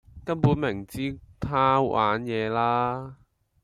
根本明知她玩野啦.....